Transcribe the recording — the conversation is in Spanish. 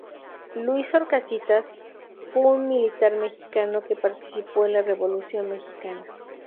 Luis Horcasitas fue un militar mexicano que participó en la Revolución mexicana.